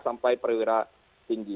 sampai perwira tinggi